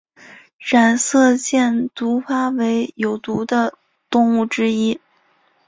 染色箭毒蛙为有毒的动物之一。